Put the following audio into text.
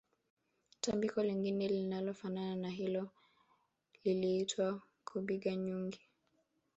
Tambiko lingine linalofanana na hilo liliitwa kubigha nyungu